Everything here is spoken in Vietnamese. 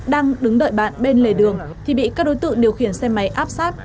đang đứng đợi bạn bên lề đường thì bị các đối tượng điều khiển xe máy áp sát